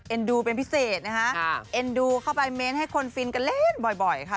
ดูเป็นพิเศษนะคะเอ็นดูเข้าไปเม้นให้คนฟินกันเล่นบ่อยค่ะ